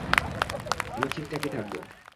আমি ঠিকঠাকই থাকব!